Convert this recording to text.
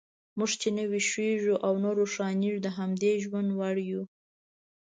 موږ چې نه ویښیږو او نه روښانیږو، د همدې ژوند وړ یو.